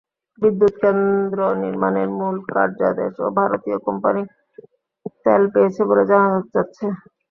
বিদ্যুৎকেন্দ্র নির্মাণের মূল কার্যাদেশও ভারতীয় কোম্পানি ভেল পেয়েছে বলে জানা যাচ্ছে।